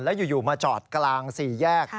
แล้วอยู่มาจอดกลางสี่แยก